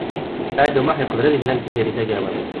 Saɛid U Muḥ yeqbel ad yemlal Tiziri Tagawawt.